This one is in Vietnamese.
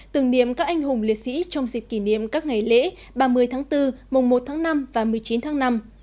tưởng niệm các anh hùng liệt sĩ trong dịp kỷ niệm các ngày lễ ba mươi tháng bốn mùng một tháng năm và một mươi chín tháng năm